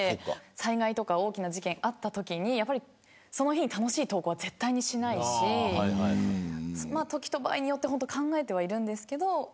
災害とか大きな事件があったときに楽しい投稿は絶対にしないし時と場合によって考えてはいるんですけど。